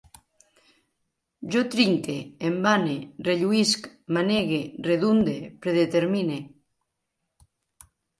Jo trinque, em vane, relluïsc, manegue, redunde, predetermine